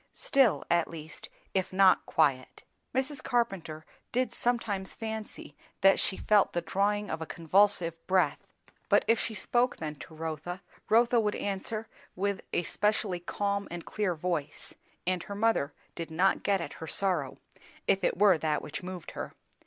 Still, at least, if not quiet; Mrs. Carpenter did sometimes fancy that she felt the drawing of a convulsive breath; but if she spoke then to Rotha, Rotha would answer with a specially calm and clear voice; and her mother did not get at her sorrow, if it were that which moved her.